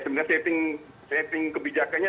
sebenarnya setting kebijakannya